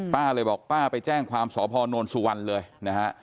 ป้าเลยบอกป้าไปแจ้งความสอบพอโนนสู่วันเลยนะฮะ